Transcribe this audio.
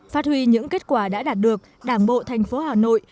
phát huy những kết quả đã đạt được đảng bộ thành phố hà nội